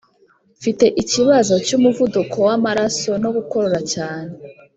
Mfite ikibazo cy’umuvuduko w’amaraso no gukorora cyane